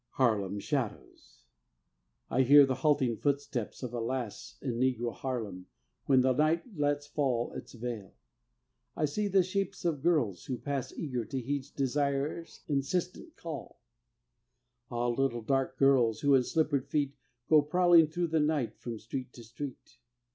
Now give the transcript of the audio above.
HARLEM SHADOWS I hear the halting footsteps of a lass In Negro Harlem when the night lets fall Its veil. I see the shapes of girls who pass Eager to heed desire's insistent call: Ah, little dark girls, who in slippered feet Go prowling through the night from street to street.